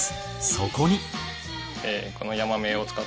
そこに。